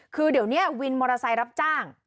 คือเดี๋ยวนี้วินมอเตอร์ไซค์รับจ้าง